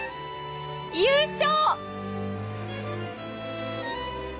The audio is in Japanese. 優勝！